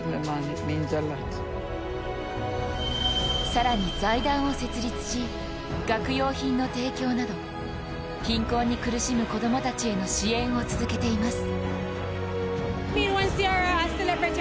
更に財団を設立し学用品の提供など貧困に苦しむ子供たちへの支援を続けています。